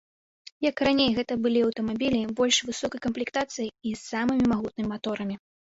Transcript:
Як і раней, гэта былі аўтамабілі больш высокай камплектацыі і з самымі магутнымі маторамі.